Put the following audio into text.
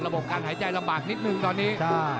ระบบคันหายใจลำบากนิดนึงตอนนี้